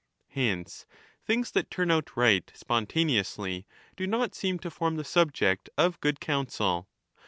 Hence things that turn out right spontaneously do not seem to 10 form the subject of good counsel.